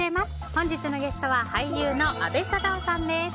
本日のゲストは俳優の阿部サダヲさんです。